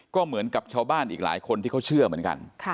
ก็เหมือนกับชาวบ้านอีกหลายคนที่เขาเชื่อเหมือนกัน